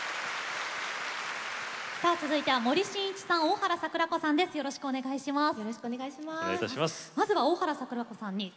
続いては森進一さん、大原櫻子さんです。